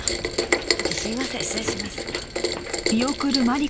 ちょっとすいません失礼します。